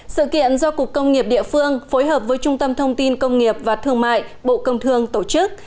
sự kiện do cục công nghiệp địa phương phối hợp với trung tâm thông tin công nghiệp và thương mại bộ công thương tổ chức